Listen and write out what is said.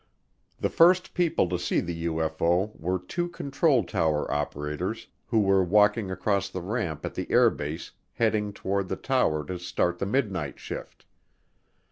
The first people to see the UFO were two control tower operators who were walking across the ramp at the air base heading toward the tower to start the midnight shift.